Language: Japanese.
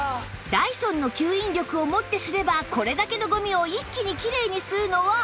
ダイソンの吸引力をもってすればこれだけのゴミを一気にキレイに吸うのは当たり前